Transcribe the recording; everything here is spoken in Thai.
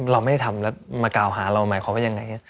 เราไม่ได้ทำแล้วมากล่าวหาเราหมายความว่ายังไง